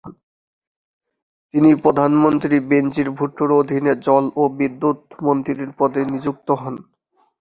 তিনি প্রধানমন্ত্রী বেনজির ভুট্টোর অধীনে জল ও বিদ্যুৎ মন্ত্রীর পদে নিযুক্ত হন।